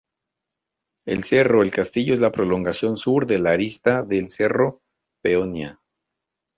El Cerro El Castillo es la prolongación sur de la arista del Cerro Peonía.